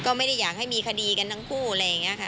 ก็ไม่ได้อยากให้มีคดีกันทั้งคู่อะไรอย่างนี้ค่ะ